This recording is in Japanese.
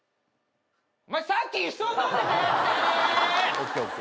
ＯＫＯＫ